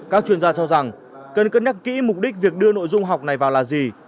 các chuyên gia cho rằng cần cân nhắc kỹ mục đích việc đưa nội dung học này vào là gì